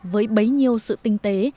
với bấy nhiêu sự tinh tế